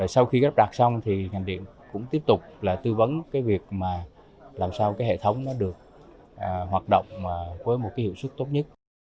sau khi lắp đặt xong thì ngành điện cũng tiếp tục tư vấn việc làm sao hệ thống được hoạt động với một hiệu suất tốt nhất